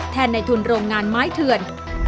ในทุนโรงงานไม้เถื่อน